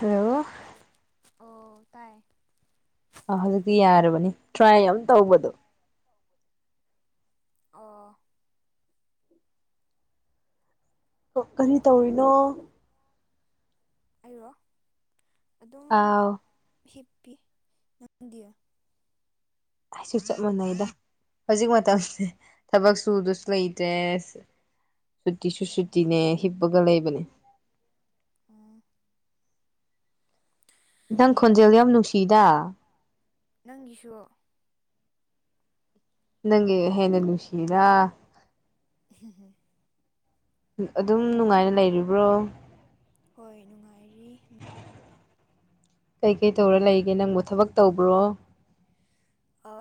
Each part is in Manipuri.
ꯍꯜꯂꯣ ꯑꯣ ꯇꯥꯏ ꯑ ꯍꯧꯖꯤꯛꯇꯤ ꯌꯥꯔꯕꯅꯤ ꯇ꯭ꯔꯥꯏ ꯑꯃ ꯇꯧꯕꯗꯣ ꯑꯣ ꯀꯔꯤ ꯇꯧꯔꯤꯅꯣ ꯑꯩꯔꯣ ꯑꯗꯨꯝ ꯑꯥꯎ ꯍꯤꯞꯄꯤ ꯅꯪꯗꯤ ꯑꯩꯁꯨ ꯆꯞ ꯃꯅꯩꯗ ꯍꯧꯖꯤꯛ ꯃꯇꯝꯁꯦ ꯊꯕꯛ ꯁꯨꯗꯁꯨ ꯂꯩꯇ꯭ꯔꯦ ꯁꯨꯇꯤꯁꯨ ꯁꯨꯇꯤꯅꯦ ꯍꯤꯞꯄꯒ ꯂꯩꯕꯅꯦ ꯑꯥ ꯅꯪ ꯈꯣꯟꯖꯦꯜ ꯌꯥꯝ ꯅꯨꯡꯁꯤꯗ ꯅꯪꯒꯤꯁꯨ ꯅꯪꯒꯤ ꯍꯦꯟꯅ ꯅꯨꯡꯁꯤꯗ [unintelligible] ꯑꯗꯨꯝ ꯅꯨꯡꯉꯥꯏꯅ ꯂꯩꯔꯤꯕ꯭ꯔꯣ ꯍꯣꯏ ꯅꯨꯡꯉꯥꯏꯔꯤ ꯀꯩꯀꯩ ꯇꯧꯔ ꯂꯩꯒꯦ ꯅꯪꯕꯨ ꯊꯕꯛ ꯇꯧꯕ꯭ꯔꯣ ꯑ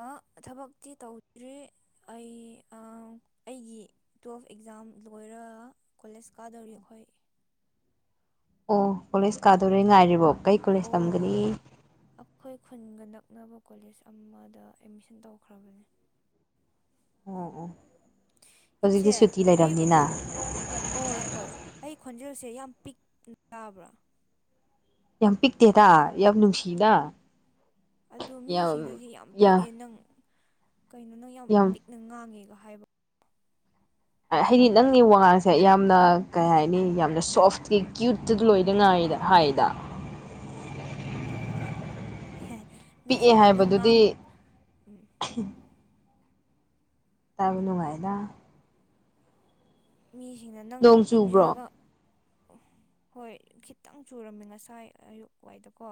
ꯊꯕꯛꯇꯤ ꯇꯧꯗ꯭ꯔꯤ ꯑꯩ ꯑ ꯑꯩꯒꯤ ꯇꯨꯋꯦꯜꯐ ꯑꯦꯛꯖꯥꯝ ꯂꯣꯏꯔꯒ ꯀꯣꯂꯦꯖ ꯀꯥꯗꯧꯔꯤ ꯑꯩꯈꯣꯏ ꯑꯣ ꯀꯣꯂꯦꯖ ꯀꯥꯗꯣꯔꯦ ꯉꯥꯏꯔꯤꯕꯣ ꯀꯩ ꯀꯣꯂꯦꯖ ꯇꯝꯒꯅꯤ ꯑꯣ ꯑꯩꯈꯣꯏ ꯈꯨꯟꯒ ꯅꯛꯅꯕ ꯀꯣꯂꯦꯖ ꯑꯃꯗ ꯑꯦꯠꯃꯤꯁꯟ ꯇꯧꯈ꯭ꯔꯕꯅꯦ ꯑꯣ ꯑꯣ ꯍꯧꯖꯤꯛꯇꯤ ꯏꯆꯦ ꯁꯨꯇꯤ ꯑꯩ ꯂꯩꯔꯕꯅꯤꯅ ꯑꯣꯏ ꯍꯣꯏ ꯑꯩ ꯈꯣꯟꯖꯦꯜꯁꯦ ꯌꯥꯝ ꯄꯤꯛ ꯇꯥꯕ꯭ꯔꯥ ꯌꯥꯝ ꯄꯤꯛꯇꯦꯗ ꯌꯥꯝ ꯅꯨꯡꯁꯤꯅ ꯑꯗꯣ ꯃꯤꯁꯤꯡꯅꯗꯤ ꯌꯥꯝ ꯄꯤꯛꯑꯦ ꯅꯪ ꯀꯩꯅꯣ ꯅꯪ ꯌꯥꯝ ꯄꯤꯛꯅ ꯉꯥꯡꯉꯦꯒ ꯍꯥꯏꯕ ꯍꯥꯏꯗꯤ ꯅꯪꯒꯤ ꯋꯥꯉꯥꯡꯁꯦ ꯌꯥꯝꯅ ꯀꯩ ꯍꯥꯏꯅꯤ ꯌꯥꯝꯅ ꯁꯣꯐꯇꯤ ꯀ꯭ꯌꯨꯠꯇ ꯂꯣꯏꯅ ꯉꯥꯡꯉꯤꯗ ꯍꯥꯏꯗ ꯑꯦ ꯄꯤꯛꯑꯦ ꯃꯤꯁꯤꯅ ꯅꯪ ꯉꯥꯡ ꯍꯥꯏꯕꯗꯨꯗꯤ ꯎꯝ ꯇꯥꯕ ꯅꯨꯡꯉꯥꯏꯗ ꯃꯤꯁꯤꯡꯅ ꯅꯪꯗꯣ ꯅꯣꯡ ꯆꯨꯕ꯭ꯔꯣ ꯈꯨꯝꯖꯤꯜꯂꯒ ꯍꯣꯏ ꯈꯤꯇꯪ ꯆꯨꯔꯝꯃꯤ ꯉꯁꯥꯏ ꯑꯌꯨꯛ ꯋꯥꯏꯗꯀꯣ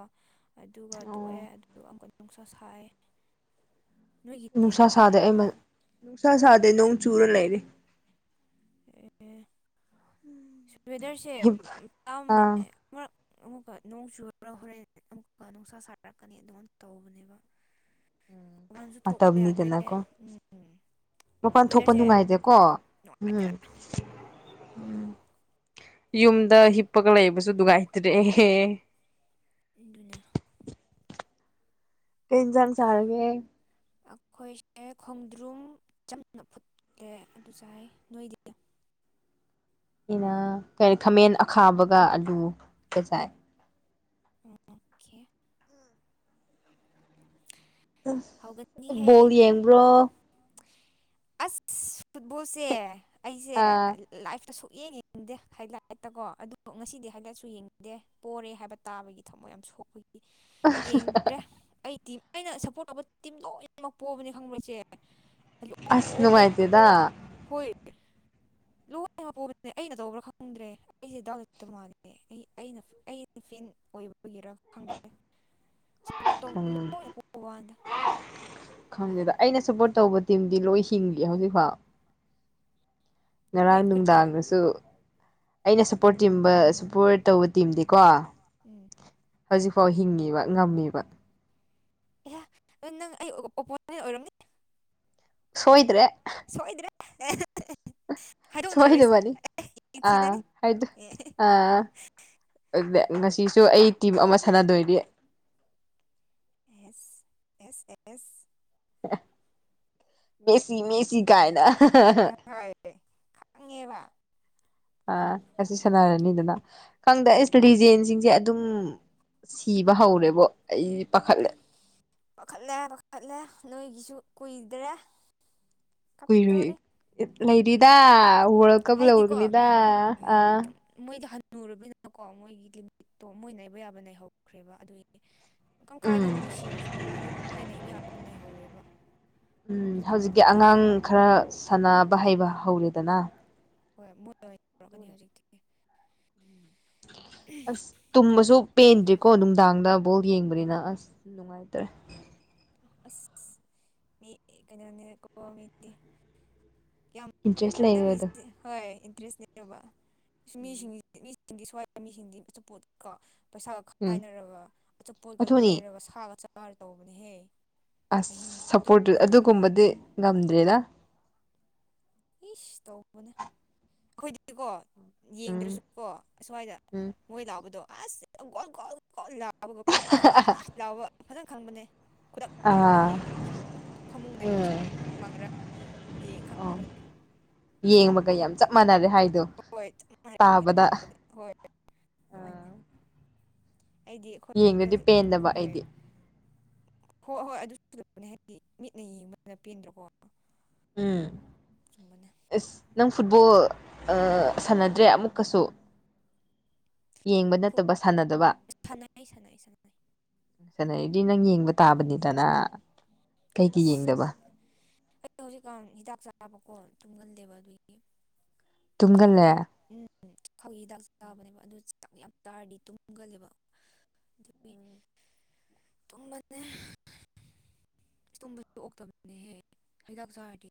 ꯑꯗꯨꯒ ꯇꯣꯛꯑꯦ ꯑꯣ ꯑꯗꯨꯗꯨ ꯑꯃꯨꯛꯀ ꯅꯨꯡꯁꯥ ꯁꯥꯏ ꯅꯣꯏꯒꯤꯗꯦ ꯅꯨꯡꯁꯥ ꯁꯥꯗꯦ ꯅꯣꯏ ꯑꯩ ꯑꯗꯨꯋꯥꯏ ꯅꯨꯡꯁꯥ ꯁꯥꯗꯦ ꯅꯣꯡ ꯆꯨꯔ ꯂꯩꯔꯤ ꯑꯦ ꯅꯣꯏ ꯑꯗꯥꯏꯁꯦ ꯇꯥꯕꯅꯦ ꯑꯥ ꯃꯔꯛ ꯑꯃꯨꯛꯀ ꯅꯣꯡ ꯆꯨꯔ ꯍꯣꯔꯦꯟ ꯑꯃꯨꯛꯀ ꯅꯨꯡꯁꯥ ꯁꯥꯔꯛꯀꯅꯤ ꯑꯗꯨꯃꯥꯏ ꯇꯧꯕꯅꯦꯕ [inaudible] ꯃꯕꯥꯟꯁꯨ ꯊꯣꯛꯄ ꯌꯥꯗ꯭ꯔꯦ ꯃꯇꯝꯅꯤꯗꯅꯀꯣ ꯎꯝ ꯃꯄꯥꯟ ꯊꯣꯛꯄ ꯋꯦꯗꯔꯁꯦ ꯅꯨꯡꯉꯥꯏꯗꯦꯀꯣ ꯅꯨꯡꯉꯥꯏꯇꯦ ꯎꯝ ꯌꯨꯝꯗ ꯍꯤꯞꯄꯒ ꯂꯩꯕꯁꯨ ꯅꯨꯡꯉꯥꯏꯇ꯭ꯔꯦ ꯏꯗꯨꯅꯤ ꯀꯩ ꯏꯟꯖꯥꯡ ꯆꯥꯔꯒꯦ ꯑꯩꯈꯣꯏꯁꯦ ꯈꯣꯡꯗ꯭ꯔꯨꯝ ꯆꯝꯅ ꯐꯨꯠꯂꯦ ꯑꯗꯨ ꯆꯥꯏ ꯅꯣꯏꯗꯤ ꯑꯩꯅ ꯀꯔꯤ ꯈꯥꯃꯦꯟ ꯑꯈꯥꯕꯒ ꯑꯂꯨꯒ ꯆꯥꯏ ꯑꯣ ꯈꯦ ꯕꯣꯜ ꯍꯧꯒꯅꯤꯍꯦ ꯌꯦꯡꯕ꯭ꯔꯣ ꯑꯁ ꯐꯨꯠꯕꯣꯜꯁꯦ ꯑꯩꯁꯦ ꯑꯥ ꯂꯥꯏꯐ ꯇ ꯁꯨꯛꯌꯦꯡ ꯌꯦꯡꯅꯤꯡꯗꯦ ꯍꯥꯏ ꯂꯥꯏꯠꯇ ꯀꯣ ꯑꯗꯨꯗꯣ ꯉꯁꯤꯗꯤ ꯍꯟꯗꯛꯁꯨ ꯌꯦꯡꯅꯤꯡꯗꯦ ꯄꯣꯔꯦ ꯍꯥꯏꯕ ꯇꯥꯕꯒꯤ ꯊꯃꫭꯏ ꯌꯥꯝ ꯁꯣꯛꯄꯒꯤ ꯌꯦꯡ ꯗ꯭ꯔꯦ ꯑꯩ ꯇꯤꯝ ꯑꯩꯅ ꯁꯞꯄꯣꯔꯠ ꯇꯧꯕ ꯇꯤꯝ ꯂꯣꯏꯅꯃꯛ ꯄꯣꯕꯅꯦ ꯈꯪꯕ꯭ꯔ ꯏꯆꯦ ꯑꯁ ꯅꯨꯡꯉꯥꯏꯇꯦꯗ ꯂꯣꯏꯅ ꯄꯣꯕꯅꯦ ꯑꯩꯅ ꯇꯧꯕ꯭ꯔꯥ ꯈꯪꯗ꯭ꯔꯦ ꯑꯩꯁꯦ ꯗꯥꯎ ꯂꯩꯇ ꯃꯥꯜꯂꯦ ꯑꯩꯩ ꯑꯩꯅ ꯑꯩꯅ ꯐꯦꯟ ꯑꯣꯏꯕꯒꯦꯔꯥ ꯈꯪꯗꯦ [inaudible] ꯎꯝ ꯂꯣꯏꯅ ꯄꯣꯛꯎ ꯋꯥꯥꯟꯗ ꯈꯪꯗꯦꯗ ꯑꯩꯅ ꯁꯞꯄꯣꯠ ꯇꯧꯕ ꯇꯤꯝꯗꯤ ꯂꯣꯏ ꯍꯤꯡꯂꯤ ꯍꯧꯖꯤꯛꯐꯥꯎ ꯅꯣꯏ ꯉꯔꯥꯡ ꯀꯔꯤ ꯅꯨꯡꯗꯥꯡꯗꯁꯨ ꯑꯩꯅ ꯁꯞꯄꯣꯔꯠ ꯇꯤꯝꯕ ꯁꯞꯄꯣꯔꯠ ꯇꯧꯕ ꯇꯤꯝꯗꯤꯀꯣ ꯎꯝ ꯍꯧꯖꯤꯛꯐꯥꯎ ꯍꯤꯡꯉꯤꯕ ꯉꯝꯃꯤꯕ ꯑꯦꯍꯥ ꯅꯪ ꯑꯩ ꯑꯣꯄꯣꯅꯦꯟ ꯑꯣꯏꯔꯝꯅꯤ ꯁꯣꯏꯗ꯭ꯔꯦ ꯁꯣꯏꯗ꯭ꯔꯦ ꯑꯦ ꯍꯥꯏꯗꯣꯛꯅꯔꯣꯏꯁꯦ ꯁꯣꯏꯗꯕꯅꯤ ꯑꯦ ꯑꯥ ꯊꯤꯅꯅꯤ ꯑꯦ ꯑꯥ ꯑꯗꯨꯗꯤ ꯉꯁꯤꯁꯨ ꯑꯩ ꯇꯤꯝ ꯑꯃ ꯁꯥꯟꯅꯗꯣꯏꯅꯤ ꯑꯦꯁ ꯑꯦꯁ ꯑꯦꯁ ꯃꯦꯁꯤ ꯃꯦꯁꯤ ꯀꯥꯏꯅ [inaudible] ꯈꯪꯉꯦꯕ ꯑ ꯉꯁꯤ ꯁꯥꯟꯅꯔꯅꯤꯗꯅ ꯈꯪꯗꯦ ꯑꯩꯁ ꯂꯤꯖꯦꯟꯁꯤꯡꯁꯦ ꯑꯗꯨꯝ ꯁꯤꯕ ꯍꯧꯔꯦꯕꯣ ꯑꯩꯗꯤ ꯄꯥꯈꯠꯂꯦ ꯄꯥꯈꯠꯂꯦ ꯄꯥꯈꯠꯂꯦ ꯅꯣꯏꯒꯤꯁꯨ ꯀꯨꯏꯗ꯭ꯔꯦ ꯀꯨꯏꯔꯨꯏ ꯀꯞꯇꯧꯔꯤ ꯂꯩꯔꯤꯗꯥ ꯋꯥꯔꯜ ꯀꯞ ꯂꯧꯔꯒꯅꯤꯗ ꯑꯥ ꯃꯣꯏꯗꯤ ꯍꯟꯅꯨꯔꯕꯅꯤꯅꯀꯣ ꯃꯣꯏꯒꯤ ꯂꯤꯃꯤꯠꯇꯣ ꯃꯣꯏ ꯅꯩꯕ ꯌꯥꯕ ꯅꯩꯍꯧꯈ꯭ꯔꯦꯕ ꯑꯗꯨꯏ ꯀꯀꯥꯒꯤ ꯎꯝ ꯃꯣꯏ ꯁꯤꯔꯁꯨ ꯍꯥꯏꯗꯤ ꯃꯣꯏ ꯅꯩꯕ ꯌꯥꯕ ꯅꯩꯍꯧꯔꯦꯕ ꯎꯝ ꯍꯧꯖꯤꯛꯀꯤ ꯑꯉꯥꯡ ꯈꯔ ꯎꯝ ꯁꯥꯟꯅꯕ ꯍꯩꯕ ꯍꯧꯔꯦꯗꯅ ꯍꯣꯏ ꯃꯣꯏ ꯑꯣꯏꯅ ꯇꯧꯔꯛꯀꯅꯤ ꯍꯧꯖꯤꯛꯇꯤ ꯑꯁ ꯇꯨꯝꯕꯁꯨ ꯄꯦꯟꯗ꯭ꯔꯤꯀꯣ ꯅꯨꯡꯗꯥꯡꯗ ꯕꯣꯜ ꯌꯦꯡꯕꯅꯤꯅ ꯑꯁ ꯅꯨꯡꯉꯥꯏꯇ꯭ꯔꯦ ꯑꯁ ꯃꯤ ꯀꯩꯅꯣꯅꯦ ꯀꯣ ꯃꯤꯗꯤ ꯌꯥꯝ ꯏꯟꯇꯔꯦꯁ ꯂꯩꯔꯦꯗ ꯅꯪꯒꯤꯁꯤ ꯍꯣꯏ ꯏꯟꯇꯔꯦꯁꯅꯦꯕ ꯏꯁ ꯃꯤꯁꯤꯡ ꯃꯤꯁꯤꯡꯗꯤ ꯁ꯭ꯋꯥꯏ ꯃꯤꯁꯤꯡꯗꯤ ꯑꯆꯥꯄꯣꯠ ꯀꯣ ꯄꯩꯁꯥꯒ ꯎꯝ ꯈꯥꯏꯅꯔꯒ ꯑꯆꯥꯄꯣꯠꯀ ꯑꯗꯨꯅꯤ ꯂꯩꯔꯒ ꯁꯥꯒ ꯆꯥꯔꯒ ꯇꯧꯕꯅꯦꯍꯦ ꯑꯁ ꯑꯍꯤꯡ ꯁꯞꯄꯣꯔꯠꯇꯨ ꯇꯨꯝꯗꯅ ꯑꯗꯨꯒꯨꯝꯕꯗꯤ ꯉꯝꯗ꯭ꯔꯦꯗ ꯏꯁ ꯇꯧꯕꯅꯦ ꯑꯩꯈꯣꯏꯗꯤꯀꯣ ꯎꯝ ꯌꯦꯡꯗ꯭ꯔꯁꯨ ꯀꯣ ꯑꯁ꯭ꯋꯥꯏꯗ ꯎꯝ ꯃꯣꯏ ꯂꯥꯎꯕꯗꯣ ꯑꯁ [unintelligible] ꯊꯥꯕꯒ ꯄꯨ꯭ꯔꯣꯇꯨꯒꯜ ꯂꯥꯎꯕ ꯐꯖꯅ ꯈꯪꯕꯅꯦ ꯈꯨꯗꯛꯇ ꯂꯥꯏꯞ ꯑꯥ ꯌꯦꯡꯗ꯭ꯔꯁꯨ ꯐꯃꯨꯡꯗꯒꯤ ꯎꯝ ꯁꯨꯝ ꯃꯪꯒ꯭ꯔ ꯌꯦꯡ ꯑꯣ ꯈꯪꯕꯅꯦ ꯌꯦꯡꯕꯒ ꯌꯥꯝ ꯆꯞ ꯃꯥꯟꯅꯔꯦ ꯍꯥꯏꯗꯣ ꯍꯣꯏ ꯇꯥꯕꯗ [unintelligible] ꯑꯩꯗꯤ ꯑꯩꯈꯣꯏ ꯌꯦꯡꯗꯗꯤ ꯄꯦꯟꯗꯕ [unintelligible] ꯍꯣꯏ ꯑꯩꯗꯤ ꯍꯣꯏ ꯍꯣꯏ ꯑꯗꯨꯅꯦ ꯍꯥꯏꯗꯤ ꯃꯤꯠꯅ ꯌꯦꯡꯕꯅ ꯄꯦꯟꯗ꯭ꯔꯣꯀꯣ ꯎꯝ ꯆꯨꯝꯕꯅꯦ ꯑꯁ ꯅꯪ ꯐꯨꯠꯕꯣꯜ ꯑꯥ ꯁꯥꯟꯅꯗ꯭ꯔꯦ ꯑꯃꯨꯛꯀꯁꯨ ꯌꯦꯡꯕ ꯅꯠꯇꯕ ꯁꯥꯟꯅꯗꯕ ꯁꯥꯟꯅꯩ ꯁꯥꯟꯅꯩ ꯁꯥꯟꯅꯩ ꯁꯟꯅꯔꯗꯤ ꯅꯪ ꯌꯦꯡꯕ ꯇꯥꯕꯅꯤꯗꯅ ꯀꯩꯒꯤ ꯑꯁ ꯌꯦꯡꯗꯕ ꯈꯪꯗꯦ ꯑꯩ ꯍꯧꯖꯤꯛꯀꯥꯟ ꯍꯤꯗꯥꯛ ꯆꯥꯕꯀꯣ ꯇꯨꯝꯒꯟꯂꯦꯕ ꯑꯗꯨꯒꯤ ꯥ [unintelligible] ꯇꯨꯝꯒꯜꯂꯦ ꯎꯝ ꯎꯝ ꯆꯈꯥꯎꯒꯤ ꯍꯤꯗꯥꯛ ꯆꯥꯕꯅꯦꯕ ꯑꯗꯨ ꯆꯥꯛ ꯌꯥꯝ ꯆꯥꯔꯗꯤ ꯇꯨꯝꯒꯜꯂꯦꯕ ꯑꯗꯨꯒꯤ ꯇꯨꯝꯕꯅꯦ ꯏꯁ ꯇꯨꯝꯡꯕꯖꯦ ꯑꯣꯛꯇꯕꯅꯦꯍꯦ ꯍꯤꯗꯥꯛ ꯆꯥꯔꯗꯤ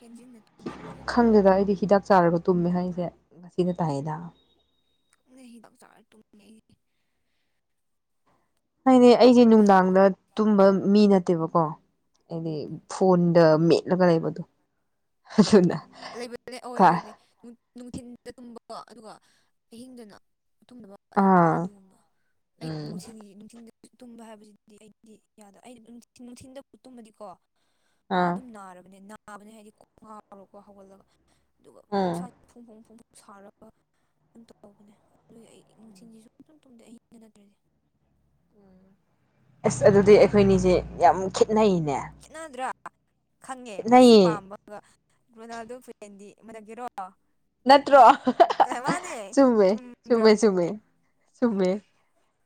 ꯍꯦꯟꯖꯤꯟꯅ ꯇꯨꯝꯅꯤꯡꯕꯅꯦ ꯈꯪꯗꯦꯗ ꯑꯩꯗꯤ ꯍꯤꯗꯥꯛ ꯆꯥꯔꯒ ꯇꯨꯝꯃꯦ ꯍꯥꯏꯁꯦ ꯉꯁꯤꯗ ꯇꯥꯏꯌꯦꯗ ꯈꯪꯗꯦ ꯍꯤꯗꯥꯛ ꯆꯥꯔ ꯇꯨꯝꯃꯦ ꯑꯩ ꯍꯥꯏꯗꯤ ꯑꯩꯖꯦ ꯅꯨꯡꯗꯥꯡꯗ ꯇꯨꯝꯕ ꯃꯤ ꯅꯠꯇꯦꯕꯀꯣ ꯍꯥꯏꯗꯤ ꯎꯝ ꯐꯣꯟꯗ ꯃꯦꯠꯂꯒ ꯂꯩꯕꯗꯣ [unintelligible] ꯂꯩꯕꯅꯦ ꯑꯣꯏ ꯂꯩꯕꯅꯦ ꯅꯨꯡꯊꯤꯟꯗ ꯇꯨꯝꯕꯀꯣ ꯑꯗꯨꯒ ꯑꯍꯤꯡꯗꯅ ꯇꯨꯝꯗꯕ ꯂꯩꯕꯅꯦ ꯑꯥ ꯑꯗꯨꯒꯨꯝꯕ ꯑꯩ ꯎꯝ ꯅꯨꯡꯊꯤꯟꯒꯤ ꯅꯨꯡꯊꯤꯟꯗꯤ ꯇꯨꯝꯕ ꯍꯥꯏꯕꯁꯤꯗꯤ ꯑꯩꯗꯤ ꯌꯥꯗꯦ ꯑꯩꯗꯤ ꯅꯨꯡꯊꯤꯟꯗꯕꯨ ꯇꯨꯝꯃꯗꯤꯀꯣ ꯑꯥ ꯑꯗꯨꯝ ꯅꯥꯔꯕꯅꯦ ꯅꯥꯕꯅꯦ ꯍꯥꯏꯗꯤ ꯀꯣꯛ ꯉꯥꯎꯔꯒꯀꯣ ꯍꯧꯒꯠꯂꯒ ꯑꯗꯨꯒ ꯎꯝ ꯏꯁꯥ ꯐꯣꯡ ꯐꯣꯡ ꯐꯣꯡ ꯁꯥꯔꯒ ꯑꯗꯨꯝ ꯇꯧꯕꯅꯦ ꯑꯗꯨꯒꯤ ꯑꯩ ꯅꯨꯡꯊꯤꯟꯁꯤ ꯁꯨꯡꯇꯨꯝ ꯇꯨꯝꯗꯦ ꯑꯍꯤꯡꯗ ꯅꯠꯇ꯭ꯔꯗꯤ ꯑꯁ ꯑꯗꯨꯗꯤ ꯑꯩꯈꯣꯏꯅꯤꯖꯦ ꯌꯥꯝ ꯈꯦꯠꯅꯩꯅꯦ ꯈꯦꯠꯅꯗ꯭ꯔꯥ ꯈꯪꯉꯦ ꯃꯦꯁꯤ ꯈꯦꯠꯅꯩꯌꯦ ꯄꯥꯝꯕ ꯑꯗꯨꯒ ꯔꯣꯅꯥꯜꯗꯣ ꯐꯦꯟꯗꯤ ꯃꯥꯟꯅꯒꯦꯔꯣ ꯎꯝ ꯅꯠꯇ꯭ꯔꯣ ꯃꯥꯅꯦ ꯆꯨꯝꯃꯦ ꯆꯨꯝꯗ꯭ꯔꯣ ꯆꯨꯝꯃꯦ ꯆꯨꯝꯃꯦ ꯆꯨꯝꯃꯦ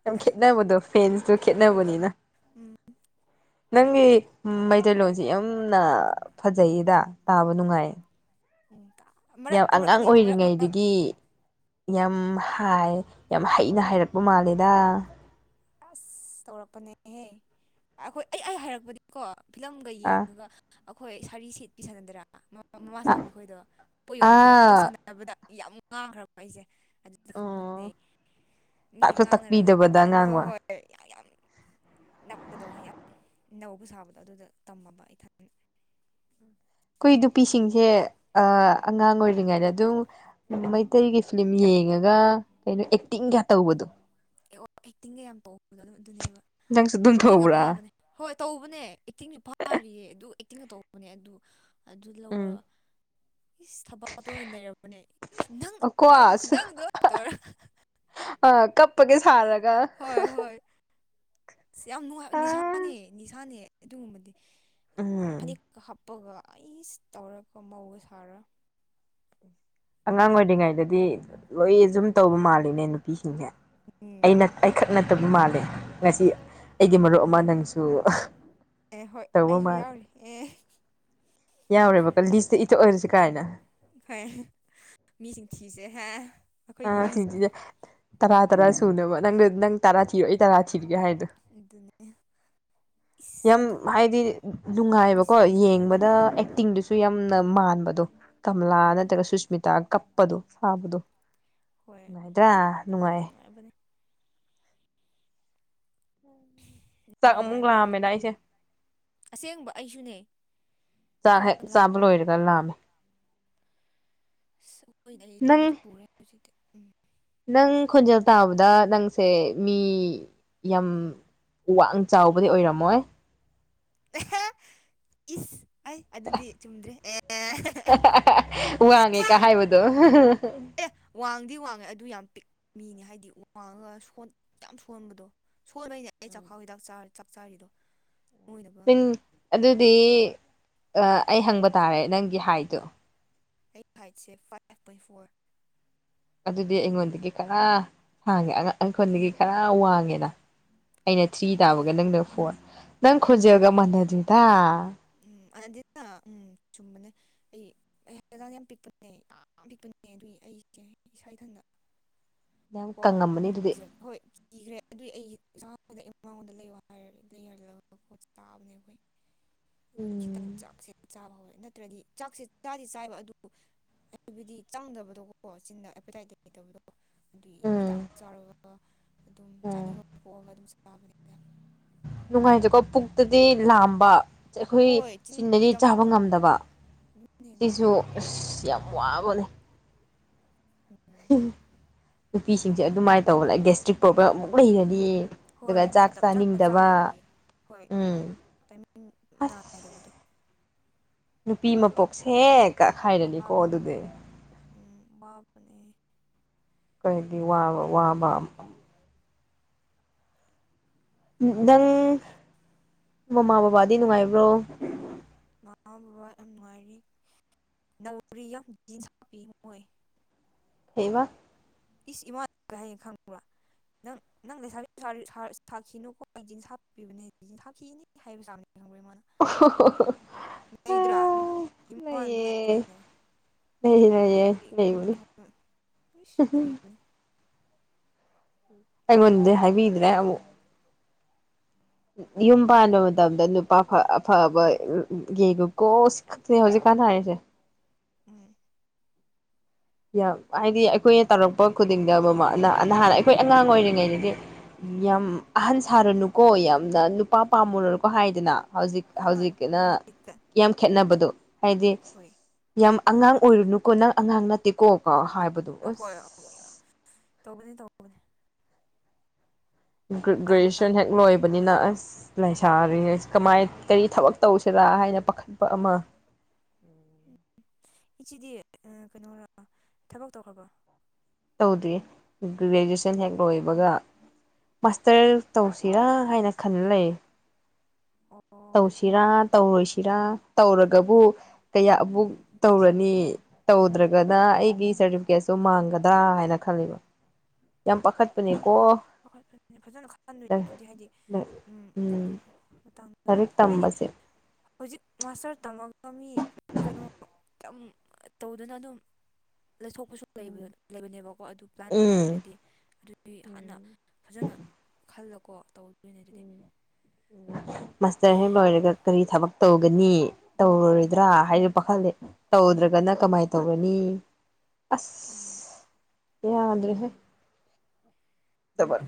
ꯌꯥꯝ ꯈꯦꯠꯅꯕꯗꯣ ꯐꯦꯟꯁꯇꯣ ꯈꯦꯠꯅꯕꯗꯣ ꯈꯦꯠꯅꯕꯅꯤꯅ ꯎꯝ ꯅꯪꯒꯤ ꯃꯩꯇꯩꯂꯣꯟꯁꯤ ꯌꯥꯝꯅ ꯐꯖꯩꯌꯦꯗ ꯇꯥꯕ ꯅꯨꯡꯉꯥꯏꯌꯦ ꯎꯝ ꯃꯔꯛ ꯌꯥꯝ ꯑꯉꯥꯡ ꯃꯔꯛꯅꯦ ꯃꯔꯛ ꯃꯔꯛ ꯑꯣꯏꯔꯤꯉꯩꯗꯒꯤ ꯌꯥꯝ ꯍꯥꯏ ꯌꯥꯝ ꯍꯩꯅ ꯍꯥꯏꯔꯛꯄ ꯃꯥꯜꯂꯦꯗ ꯑꯁ ꯇꯧꯔꯛꯄꯅꯦꯍꯦ ꯑꯩꯈꯣꯏ ꯑꯩ ꯑꯩ ꯍꯩꯔꯛꯄꯗꯤꯀꯣ ꯐꯤꯂꯝꯒ ꯑꯥ ꯌꯦꯡꯉꯒ ꯑꯈꯣꯏ ꯁꯥꯔꯤ ꯁꯦꯠꯄꯤ ꯁꯥꯟꯅꯗꯔꯥ ꯃꯝ ꯃꯃꯥ ꯑꯥ ꯁꯥꯕꯤꯈꯣꯏꯗꯣ ꯄꯣꯠ ꯌꯣꯟꯕꯤꯗꯣ ꯑꯗꯨ ꯑꯥ ꯁꯥꯟꯅ [unintelligible] ꯌꯥꯝ ꯉꯥꯡꯈ꯭ꯔꯕ ꯑꯩꯁꯦ ꯈꯪꯕꯅꯦ ꯑꯣ ꯃꯤ ꯇꯥꯛꯁꯨ ꯉꯥꯡꯅꯔꯒꯅ ꯇꯥꯛꯄꯤꯗꯕꯗ ꯑꯣ ꯍꯣꯏ ꯉꯥꯡꯕ ꯍꯣꯏ ꯍꯣꯏ ꯌꯥꯝ ꯌꯥꯝ ꯅꯞꯄꯗꯣ ꯌꯥꯝ ꯅꯧꯕ ꯁꯥꯕꯗꯣ ꯑꯗꯨꯗ ꯇꯝꯃꯕ ꯑꯩꯊꯟ ꯑꯩꯈꯣꯏ ꯅꯨꯄꯤꯁꯤꯡꯁꯦ ꯑꯥ ꯑꯉꯥꯡ ꯑꯣꯏꯔꯤꯉꯩꯗ ꯑꯗꯨꯝ ꯎꯝ ꯃꯩꯇꯩꯒꯤ ꯐꯤꯂꯝ ꯌꯦꯡꯉꯒ ꯀꯩꯅꯣ ꯑꯦꯛꯇꯤꯡꯒ ꯇꯧꯕꯗꯣ ꯑꯦ ꯑꯣ ꯑꯦꯛꯇꯤꯡꯒ ꯌꯥꯝ ꯇꯧꯕꯗꯣ ꯑꯗꯨ ꯑꯗꯨꯅꯦꯕ ꯅꯪꯁꯨ ꯑꯗꯨꯝ ꯑꯦꯛꯇꯤꯡꯒ ꯇꯧꯕ꯭ꯔꯥ ꯐꯥꯕꯅꯦ ꯍꯣꯏ ꯇꯧꯕꯅꯦ ꯑꯦꯛꯇꯤꯡꯁꯨ ꯐꯥꯔꯤꯌꯦ ꯑꯗꯨ ꯑꯦꯛꯇꯤꯡꯒ ꯇꯧꯕꯅꯦ ꯑꯗꯨ ꯑꯗꯨ ꯎꯝ ꯂꯧꯔꯒ ꯏꯁ ꯊꯕꯥꯇꯣꯟꯅ ꯅꯩꯔꯛꯄꯅꯦ ꯏꯁ ꯅꯪꯅ ꯄꯥꯏꯔꯤꯕ ꯈꯨꯗꯥꯡꯗꯣ ꯇꯧꯔꯒ ꯑ ꯀꯞꯄꯒ ꯁꯥꯔꯒ ꯏꯁ ꯌꯥꯝ ꯅꯨꯡꯉꯥꯏ ꯑ ꯅꯤꯁꯥꯅꯦ ꯅꯤꯁꯥꯅꯦ ꯑꯗꯨꯒꯨꯝꯕꯗꯤ ꯎꯝ ꯐꯅꯦꯛꯀ ꯍꯥꯞꯄꯒ ꯑꯩꯁ ꯇꯧꯔꯒ ꯃꯧꯒ ꯁꯥꯔ ꯑꯉꯥꯡ ꯑꯣꯏꯔꯤꯉꯩꯗꯗꯤ ꯂꯣꯏ ꯑꯗꯨꯝ ꯇꯧꯕ ꯃꯥꯜꯂꯤꯅꯦ ꯅꯨꯄꯤꯁꯤꯡꯁꯦ ꯑꯩꯅ ꯎꯝ ꯑꯩꯈꯛ ꯅꯠꯇꯕ ꯃꯥꯜꯂꯦ ꯉꯁꯤ ꯑꯩꯒꯤ ꯃꯔꯨꯞ ꯑꯃ ꯅꯪꯁꯨ ꯑꯦ ꯍꯣꯏ ꯇꯧꯕ ꯑꯩꯁꯨ ꯃꯥꯜꯂꯦ ꯌꯥꯎꯔꯤ ꯑꯦ ꯌꯥꯎꯔꯦꯕꯀꯣ ꯂꯤꯁꯇ ꯏꯊꯣꯛ ꯑꯁꯤ ꯀꯥꯏꯅ ꯐꯩꯌꯦ ꯃꯤ ꯃꯁꯤꯡ ꯊꯤꯁꯦ ꯍꯦ ꯑꯥ ꯊꯤꯖꯤꯁꯦ ꯇꯔꯥ ꯇꯔꯥ ꯁꯨꯅꯕ ꯅꯪꯒ ꯅꯪ ꯇꯔꯥ ꯊꯤꯑꯣ ꯑꯩ ꯇꯔꯥ ꯊꯤꯔꯒꯦ ꯍꯥꯏꯅ ꯑꯗꯨꯅꯦ ꯏꯁ ꯌꯥꯝ ꯑꯗꯨ ꯑꯗꯨ ꯍꯥꯏꯗꯤ ꯅꯨꯡꯉꯥꯏꯕꯀꯣ ꯃꯤꯁ ꯌꯥꯝ ꯇꯧꯋꯦ ꯌꯦꯡꯕꯗ ꯎꯝ ꯑꯦꯛꯇꯤꯡꯗꯨꯁꯨ ꯌꯥꯝꯅ ꯃꯥꯟꯕꯗꯣ ꯀꯝꯂꯥ ꯎꯝ ꯅꯠꯇ꯭ꯔꯒ ꯁꯨꯁꯃꯤꯇꯥ ꯀꯞꯄꯗꯣ ꯁꯥꯕꯗꯣ ꯅꯨꯡꯉꯥꯏꯗ꯭ꯔꯥ ꯅꯨꯡꯉꯥꯏ ꯍꯥꯢꯕꯅꯤ ꯆꯥꯛ ꯑꯃꯨꯛ ꯅꯨꯡꯉꯥꯏꯕꯅꯦ ꯂꯥꯛꯑꯝꯃꯦꯅ ꯑꯩꯁꯦ ꯑꯁꯦꯡꯕ ꯑꯩꯁꯨꯅꯦ ꯆꯥꯛ ꯍꯦꯛ ꯌꯥꯝ ꯆꯥꯕ ꯂꯥꯝꯃꯦ ꯂꯣꯏꯔꯒ ꯂꯥꯝꯃꯦ ꯅꯪ [unintelligible] ꯍꯧꯖꯤꯛꯇꯤ ꯎꯝ ꯅꯪ ꯈꯣꯟꯖꯦꯜ ꯇꯥꯕꯗ ꯅꯪꯁꯦ ꯃꯤ ꯌꯥꯝ ꯋꯥꯡ ꯆꯥꯎꯕꯗꯤ ꯑꯣꯏꯔꯝꯃꯣꯏ ꯏꯁ ꯑꯩ ꯑꯗꯨꯗꯤ ꯆꯨꯝꯗ꯭ꯔꯦ ꯑꯦ ꯋꯥꯡꯉꯦ ꯀ ꯍꯥꯏꯕꯗꯣ ꯑꯦ ꯋꯥꯡꯗꯤ ꯋꯥꯡꯉꯦ ꯑꯗꯨ ꯌꯥꯝ ꯄꯤꯛ ꯃꯤꯅꯤ ꯍꯥꯏꯗꯤ ꯋꯥꯡꯉꯒ ꯌꯥꯝ ꯁꯣꯟꯕꯗꯣ ꯁꯣꯟꯕꯩꯅꯦ ꯑꯩ ꯆꯥꯛꯈꯥꯎ ꯍꯤꯗꯥꯛ ꯆꯥꯛ ꯆꯥꯔꯤꯗꯣ ꯅꯣꯏꯅꯕ ꯑꯗꯨꯗꯤ ꯑꯩ ꯍꯪꯕ ꯇꯥꯔꯦ ꯅꯪꯒꯤ ꯍꯥꯏꯗꯣ ꯑꯩꯒꯤ ꯍꯥꯏꯠꯁꯦ ꯐꯥꯏꯚ ꯄꯣꯏꯟ ꯐꯣꯔ ꯑꯗꯨꯗꯤ ꯑꯩꯉꯣꯟꯗꯒꯤ ꯈꯔ ꯍꯥꯡꯉꯦ ꯑꯩꯈꯣꯟꯗꯒꯤ ꯈꯔ ꯋꯥꯡꯉꯦꯅ ꯑꯩꯅ ꯊ꯭ꯔꯤ ꯍꯣꯏ ꯇꯥꯕꯒ ꯅꯪꯅ ꯐꯣꯔ ꯅꯪ ꯈꯣꯟꯖꯦꯜꯒ ꯃꯥꯟꯅꯗꯦꯗ ꯎꯝ ꯑꯗꯨꯗ ꯎꯝ ꯆꯨꯝꯕꯅꯦ ꯑꯩ ꯍꯥꯛꯆꯥꯡ ꯌꯥꯝ ꯄꯤꯛꯄꯅꯦ ꯌꯥꯝ ꯄꯤꯛꯄꯅꯦ ꯑꯗꯨꯏ ꯑꯩꯁꯦ ꯏꯁꯥ ꯏꯊꯟꯗ ꯌꯥꯝ ꯑꯣ ꯀꯪꯉꯝꯃꯅꯤ ꯑꯗꯨꯗꯤ ꯍꯣꯏ ꯀꯤꯈ꯭ꯔꯦ ꯑꯗꯨꯏ ꯑꯩ ꯆꯗ ꯑꯩ ꯃꯃꯉꯣꯟꯗ ꯂꯩꯌꯣ [unintelligible] ꯍꯥꯏꯔꯦ ꯑꯗꯨ ꯌꯜꯂꯒꯣꯠ ꯆꯥꯕꯅꯦ ꯑꯩꯈꯣꯏ ꯑꯗꯨ ꯈꯤꯇꯪ ꯎꯝ ꯆꯥꯛꯁꯦ ꯆꯥꯕ ꯍꯧꯋꯦ ꯅꯠꯇ꯭ꯔꯗꯤ ꯆꯥꯛꯁꯦ ꯆꯥꯗꯤ ꯆꯥꯏꯕ ꯑꯗꯨ ꯍꯥꯏꯕꯗꯤ ꯆꯥꯡꯗꯕꯗꯣꯀꯣ ꯆꯤꯟꯗ ꯍꯄꯇꯥꯏꯇ [unintelligible] ꯑꯗꯨꯒꯤ ꯎꯝ ꯍꯤꯗꯥꯛ ꯆꯥꯔꯒ ꯑꯗꯨꯝ ꯎꯝ ꯆꯥꯅꯤꯡꯕ ꯄꯣꯛꯑꯒ ꯑꯗꯨꯝ ꯆꯕꯅꯦ ꯅꯨꯡꯉꯥꯏꯇꯦꯀꯣ ꯄꯨꯛꯇꯗꯤ ꯂꯥꯝꯕ ꯑꯩꯈꯣꯏ ꯍꯣꯏ ꯆꯤꯟꯗꯤ ꯆꯤꯟꯗꯗꯤ ꯆꯥꯕ ꯆꯪꯗꯕ ꯉꯝꯗꯕ ꯑꯗꯨꯅꯦ ꯑꯗꯨ ꯁꯤꯁꯨ ꯑꯁ ꯌꯥꯝ ꯋꯥꯕꯅꯦ ꯅꯨꯄꯤꯁꯤꯡꯁꯦ ꯑꯗꯨꯃꯥꯏꯅ ꯇꯧꯕ ꯂꯩ ꯒꯦꯁꯇ꯭ꯔꯤꯛ ꯄ꯭ꯔꯣꯕ꯭ꯂꯦꯝ ꯑꯃꯨꯛ ꯂꯩꯔꯅꯤ ꯑꯗꯨꯒ ꯍꯣꯏ ꯆꯥꯛ ꯃꯇꯝ ꯆꯥꯅ ꯆꯥꯅꯤꯡꯗꯕ ꯆꯥꯗ꯭ꯔꯕꯒꯤ ꯍꯣꯏ ꯎꯝ ꯇꯥꯏꯃꯤꯡ ꯑꯁ ꯅꯥꯢꯗꯕꯗꯣ ꯅꯨꯄꯤ ꯃꯄꯣꯛꯁꯦ ꯀꯛꯈꯥꯏꯔꯅꯤꯀꯣ ꯋꯥꯕꯅꯦ ꯑꯗꯨꯗꯤ ꯎꯝ ꯋꯥꯕꯅꯦ ꯀꯔꯤ ꯋꯥꯕ ꯋꯥꯕ ꯅꯪ ꯃꯃꯥ ꯕꯕꯥꯗꯤ ꯅꯨꯡꯉꯥꯏꯕ꯭ꯔꯣ ꯃꯃꯥ ꯕꯕꯥ ꯌꯥꯝ ꯅꯨꯡꯉꯥꯏꯔꯤ ꯅꯧꯔꯤ ꯌꯥꯝ ꯖꯤꯟꯁ ꯍꯥꯞꯄꯤ ꯃꯣꯏ ꯀꯩꯕ ꯏꯁ ꯏꯃꯥꯅ ꯀꯩ ꯍꯥꯏꯒꯦ ꯈꯪꯕ꯭ꯔꯥ ꯅꯪ ꯅꯪ ꯂꯩꯁꯥꯕꯤ ꯁꯥꯈꯤꯅꯨꯀꯣ ꯑꯩ ꯆꯤꯡ ꯁꯥꯄꯤꯕꯅꯦ ꯍꯥꯞꯈꯤꯅꯤ ꯍꯥꯏꯕ ꯆꯥꯕꯅꯤ ꯈꯪꯕ ꯃꯥꯅꯥ ꯅꯩꯗ꯭ꯔꯥ ꯏꯃꯥꯅꯥ ꯑꯗꯨꯃꯥꯢ ꯍꯥꯏꯕꯅꯦ ꯂꯩꯅꯩꯌꯦ ꯑꯗꯨꯗꯤ ꯂꯩꯕꯒꯤ ꯎꯝ ꯏꯁ ꯅꯩꯕꯅꯦ ꯑꯩꯉꯣꯟꯗꯤ ꯍꯥꯏꯕꯤꯗ꯭ꯔꯦ ꯑꯃꯨꯛ ꯌꯨꯝ ꯄꯥꯟꯕ ꯃꯇꯝꯗ ꯑꯐꯕ ꯌꯦꯒꯨꯀꯣ ꯁꯤ ꯈꯛꯇꯅꯤ ꯍꯧꯖꯤꯛꯀꯥꯟꯗ ꯍꯥꯏꯔꯤꯁꯦ ꯎꯝ ꯌꯥꯝ ꯍꯥꯏꯗꯤ ꯑꯩꯈꯣꯏꯅ ꯇꯧꯔꯛꯄ ꯈꯨꯗꯤꯡꯗ ꯑꯃ ꯅꯍꯥꯟ ꯑꯩꯈꯣꯏ ꯑꯉꯥꯡ ꯑꯣꯏꯔꯤꯉꯩꯗꯗꯤ ꯌꯥꯝ ꯑꯍꯟ ꯁꯥꯔꯅꯨꯀꯣ ꯌꯥꯝꯅ ꯅꯨꯄꯥ ꯄꯥꯝꯃꯨꯔꯅꯨꯀꯣ ꯍꯥꯏꯗꯅ ꯍꯧꯖꯤꯛ ꯍꯣꯏ ꯍꯧꯖꯤꯛꯅ [unintelligible] ꯌꯥꯝ ꯈꯦꯠꯅꯕꯗꯣ ꯍꯥꯏꯗꯤ ꯍꯣꯏ ꯌꯥꯝ ꯑꯉꯥꯡ ꯑꯣꯏꯔꯨꯅꯨꯀꯣ ꯅꯪ ꯑꯉꯥꯡ ꯀꯣ ꯒꯥ ꯍꯥꯢꯕꯗꯣ ꯍꯣꯢ ꯇꯧꯕꯗꯤ ꯇꯧꯕꯅꯤ ꯇꯧꯕꯅꯤ ꯃꯇꯥꯡ ꯒ꯭ꯔꯦꯖꯨꯌꯦꯁꯟ ꯃꯇꯥꯡ ꯍꯦꯛ ꯂꯣꯏꯕꯅꯤꯅ ꯑꯁ ꯎꯝ ꯂꯩꯁꯥꯔꯤꯉꯩ ꯀꯃꯥꯏ ꯀꯔꯤ ꯊꯕꯛ ꯇꯧꯁꯤꯔꯥ ꯍꯥꯏꯅ ꯄꯥꯈꯠꯄ ꯑꯃ ꯏꯆꯦꯗꯤ ꯀꯩꯅꯣꯔ ꯊꯕꯛ ꯇꯧꯈ꯭ꯔꯕꯣ ꯇꯧꯗ꯭ꯔꯤ ꯒ꯭ꯔꯦꯖꯨꯦꯁꯟ ꯍꯦꯛ ꯂꯣꯏꯕꯒ ꯃꯥꯁꯇꯔ ꯇꯧꯁꯤꯔꯥ ꯍꯥꯏꯅ ꯈꯜ ꯂꯩ ꯑꯣ ꯇꯧꯁꯤꯔꯥ ꯇꯧꯔꯣꯏꯁꯤꯔꯥ ꯇꯧꯔꯒꯕꯨ ꯀꯌꯥ ꯑꯃꯨꯛ ꯎꯝ ꯇꯧꯔꯅꯤ ꯇꯧꯗ꯭ꯔꯥꯒꯅ ꯑꯩꯒꯤ ꯁꯥꯔꯇꯤꯐꯤꯀꯦꯠꯁꯨ ꯃꯥꯡꯒꯗ꯭ꯔꯥ ꯍꯥꯏꯅ ꯈꯜꯂꯤꯕ ꯌꯥꯝ ꯄꯥꯈꯠ ꯄꯥꯅ‌ꯦꯀꯣ ꯐꯥꯖꯥꯅ ꯈꯟꯗꯣꯏꯅꯦ ꯍꯥꯏꯗꯤ ꯎꯝ ꯑꯗꯨꯗꯤ ꯃꯇꯥꯡꯗꯨꯗꯤ ꯂꯥꯏꯔꯤꯛ ꯍꯥꯏꯗꯤ ꯇꯝꯕꯁꯦ ꯍꯧꯖꯤꯛ ꯃꯥꯁꯇꯔ ꯇꯝꯃꯝꯕ ꯃꯤ ꯀꯩꯅꯣ ꯇꯪ ꯇꯧꯗꯨꯅ ꯑꯗꯨꯝ ꯂꯩꯊꯣꯛꯄꯁꯨ ꯂꯩꯕ ꯂꯩꯕꯅꯦꯕꯀꯣ ꯑꯗꯨ ꯄ꯭ꯂꯥꯟ ꯎꯝ ꯂꯩꯇ꯭ꯔꯗꯤ ꯑꯗꯨꯗꯤ ꯍꯥꯟꯅ ꯐꯖꯅ ꯈꯜꯂꯀꯣ ꯇꯧꯗꯣꯏꯅꯦ ꯑꯗꯨꯗꯤ ꯎꯝ ꯃꯥꯁꯇꯔ ꯍ‌‌ꯦꯛ ꯂ‌ꯣꯏꯔꯒ ꯀꯔꯤ ꯊꯕꯛ ꯇꯧꯒꯅꯤ ꯎꯝ ꯇꯧꯔꯔꯣꯏꯗ꯭ꯔꯥ ꯍꯥꯏꯅ ꯄꯥꯈꯠꯂꯦ ꯇꯧꯗ꯭ꯔꯒꯅ ꯀꯃꯥꯏꯅ ꯇꯧꯒꯅꯤ ꯑꯗꯨꯅꯦ ꯑꯁ ꯌꯥꯗ꯭ꯔ‌ꯦꯍ‌ꯦ ꯊꯕꯛ